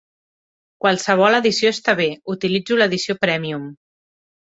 Qualsevol edició està bé, utilitzo l'edició prèmium.